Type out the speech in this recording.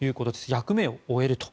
役目を終えると。